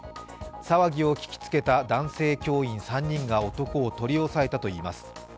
騒ぎを聞きつけた男性教員３人が男を取り押さえたといいます。